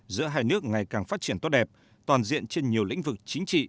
giữa hai nước ngày càng phát triển tốt đẹp toàn diện trên nhiều lĩnh vực chính trị